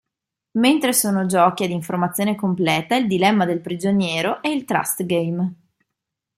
Mentre sono giochi ad informazione completa il Dilemma del prigioniero e il Trust game.